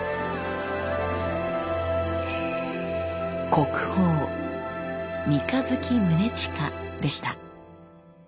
国宝「三日月宗近」でした。